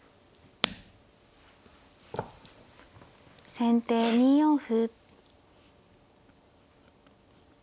先手２四歩。